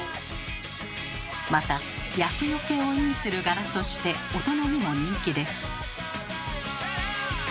また厄よけを意味する柄として大人にも人気です。